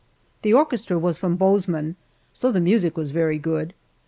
The orchestra was from Bozeman, so the music was very good.